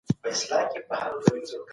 قافیه شعر ته ښکلا ورکوي.